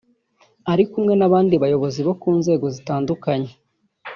Ari kumwe n’abandi bayobozi bo ku nzego zitandukanye